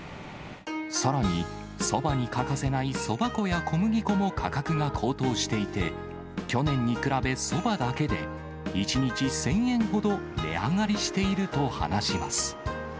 さらに、そばに欠かせないそば粉や小麦粉も価格が高騰していて、去年に比べ、そばだけで１日１０００円ほど値上がりしていると話します。